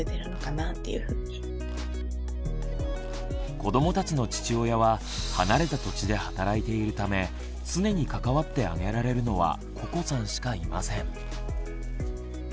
子どもたちの父親は離れた土地で働いているため常に関わってあげられるのはここさんしかいません。